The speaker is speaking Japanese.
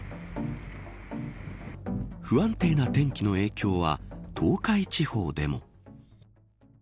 不安定な天気の影響は東海地方でも。